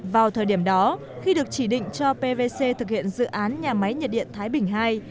vào thời điểm đó khi được chỉ định cho pvc thực hiện dự án nhà máy nhiệt điện thái bình ii